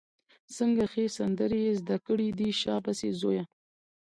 څنګه ښې سندرې یې زده کړې دي، شابسي زویه!